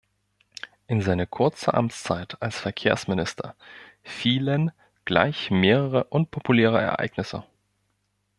In seine kurze Amtszeit als Verkehrsminister fielen gleich mehrere unpopuläre Ereignisse.